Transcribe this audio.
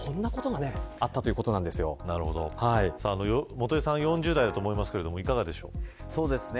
元榮さんは４０代だとは思いますがいかがでしょうか。